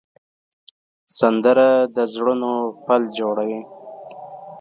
سندره د زړونو پل جوړوي